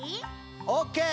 オッケー。